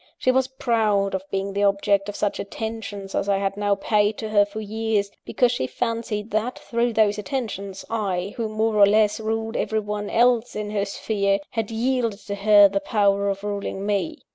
She was proud of being the object of such attentions as I had now paid to her for years, because she fancied that, through those attentions, I, who, more or less, ruled everyone else in her sphere, had yielded to her the power of ruling _me.